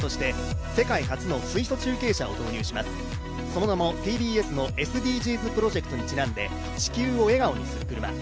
その名もＴＢＳのＳＤＧｓプロジェクトにちなんで「地球を笑顔にするくるま」。